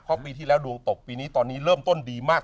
เพราะปีที่แล้วดวงตกปีนี้ตอนนี้เริ่มต้นดีมาก